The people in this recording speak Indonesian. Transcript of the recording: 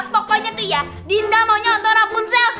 pokoknya tuh ya dinda maunya nonton rapunzel